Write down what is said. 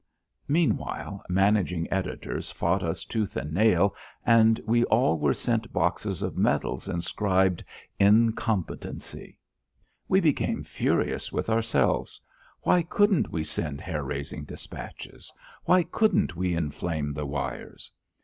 Meanwhile, managing editors fought us tooth and nail and we all were sent boxes of medals inscribed: "Incompetency." We became furious with ourselves. Why couldn't we send hair raising despatches? Why couldn't we inflame the wires?